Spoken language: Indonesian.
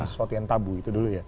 sesuatu yang tabu itu dulu ya